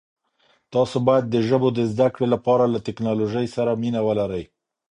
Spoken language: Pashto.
تاسي باید د ژبو د زده کړې لپاره له ټکنالوژۍ سره مینه ولرئ.